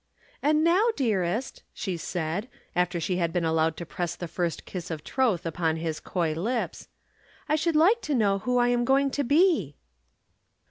"And now, dearest," she said, after she had been allowed to press the first kiss of troth upon his coy lips, "I should like to know who I am going to be?"